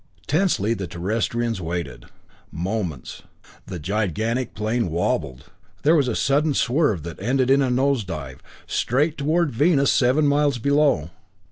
Tensely the Terrestrians waited. Moments and the gigantic plane wobbled! There was a sudden swerve that ended in a nose dive, straight toward Venus seven miles below.